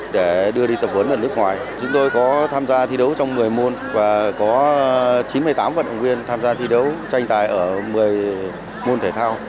để đưa đi tập huấn ở nước ngoài chúng tôi có tham gia thi đấu trong một mươi môn và có chín mươi tám vận động viên tham gia thi đấu tranh tài ở một mươi môn thể thao